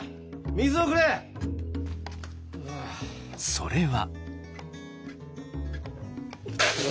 それは。